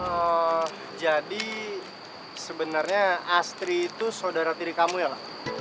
eee jadi sebenernya astri itu saudara tiri kamu ya